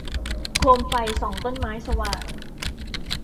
โคมไฟส่องต้นไม้สว่าง